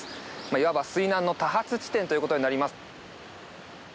いわば、水難の多発地点ということになります。